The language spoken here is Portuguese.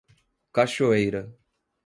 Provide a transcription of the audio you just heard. Cachoeira